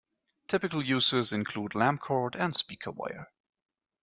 Typical uses include lamp cord and speaker wire.